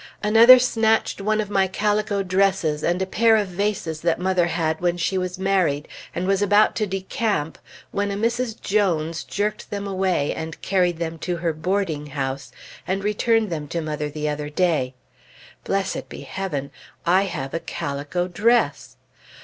Another snatched one of my calico dresses, and a pair of vases that mother had when she was married, and was about to decamp when a Mrs. Jones jerked them away, and carried them to her boarding house, and returned them to mother the other day. Blessed be Heaven! I have a calico dress!